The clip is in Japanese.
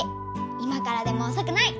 今からでもおそくない！